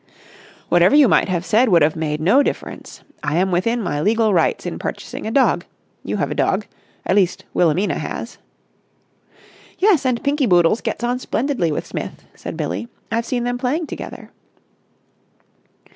"Whatever you might have said would have made no difference. I am within my legal rights in purchasing a dog. You have a dog. At least, Wilhelmina has." "Yes, and Pinky Boodles gets on splendidly with Smith," said Billie. "I've seen them playing together."